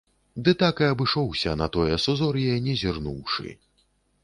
Дык так і абышоўся, на тое сузор'е не зірнуўшы.